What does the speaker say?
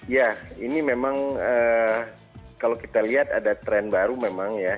ya ini memang kalau kita lihat ada tren baru memang ya